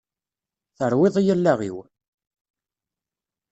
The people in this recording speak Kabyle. Terwiḍ-iyi allaɣ-iw!